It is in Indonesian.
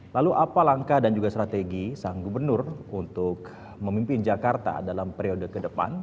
lalu apa langkah dan juga strategi sang gubernur untuk memimpin jakarta dalam periode ke depan